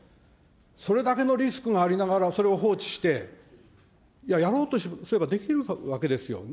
それだけのリスクがありながら、それを放置して、やろうとすればできるわけですよ。